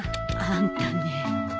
あんたね。